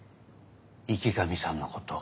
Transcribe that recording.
池上さんのこと。